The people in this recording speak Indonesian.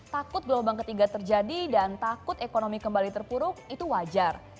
takut gelombang ketiga terjadi dan takut ekonomi kembali terpuruk itu wajar